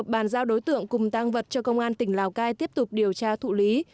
bàn giao đối tượng cùng tăng vật cho công an tỉnh lào cai tiếp tục điều tra thụ lý